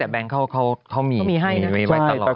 แบงค์เขามีไว้ตลอด